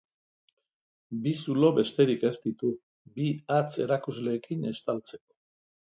Bi zulo besterik ez ditu, bi hatz erakusleekin estaltzeko.